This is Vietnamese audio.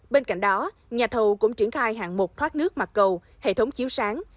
bên cạnh đó nhà thầu cũng triển khai hạng mục thoát nước mặt cầu hệ thống chiếu sáng